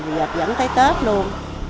dệt vẫn tới tết luôn